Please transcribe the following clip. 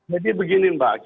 jadi begini mbak